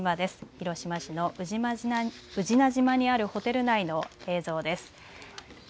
広島市の宇品島にあるホテル内の映像です。